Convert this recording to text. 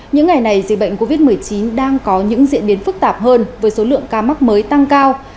những ngày này dịch bệnh covid một mươi chín đang có những diễn biến phức tạp hơn với số lượng ca mắc mới tăng cao